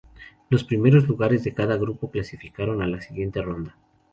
Los primeros lugares de cada grupo clasificaron a la siguiente ronda.